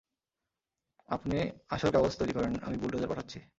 আপনি আসল কাগজ, তৈরি করেন, আমি বুল্ডোজার পাঠাচ্ছি।